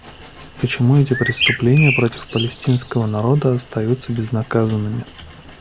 Почему эти преступления против палестинского народа остаются безнаказанными?